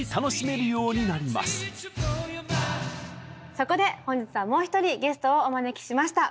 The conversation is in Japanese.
そこで本日はもう１人ゲストをお招きしました。